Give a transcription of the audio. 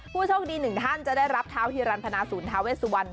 พูดโชคดีหนึ่งท่านจะได้รับเท้าที่รันพนาศูนย์ธาเวสสุวรรณ